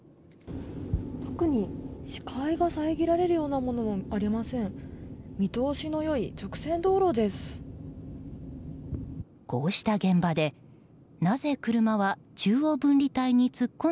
特に視界が遮られるものもありません。